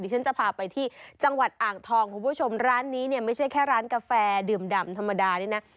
ฉันจะพาไปที่จังหวัดอ่างทองคุณผู้ชมร้านนี้เนี่ยไม่ใช่แค่ร้านกาแฟดื่มดำธรรมดานี่นะ